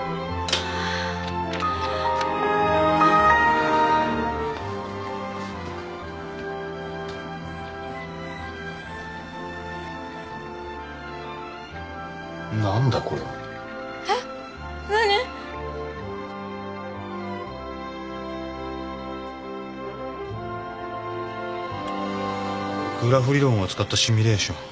グラフ理論を使ったシミュレーション。